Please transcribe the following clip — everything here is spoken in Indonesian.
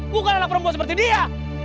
bukan anak perempuan seperti dia